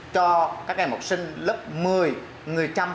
cho các em học sinh lớp một mươi người trăm